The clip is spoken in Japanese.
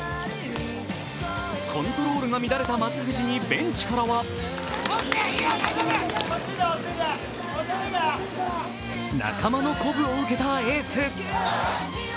コントロールが乱れた松藤にベンチからは仲間の鼓舞を受けたエース。